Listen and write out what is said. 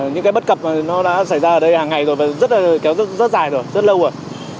những cái bất cập nó đã xảy ra ở đây hàng ngày rồi và kéo rất dài rồi rất lâu rồi